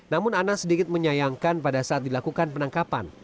namun anas sedikit menyayangkan pada saat dilakukan penangkapan